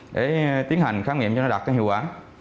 để tiến hành khám nghiệm cho nó đạt cái hiệu quả